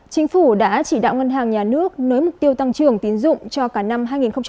chính phủ đã chỉ đạo ngân hàng nhà nước nới mục tiêu tăng trưởng tín dụng cho cả năm hai nghìn hai mươi